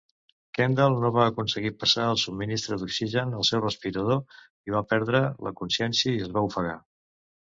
Kendall no va aconseguir passar el subministre d'oxigen al seu respirador i va perdre la consciència i es va ofegar.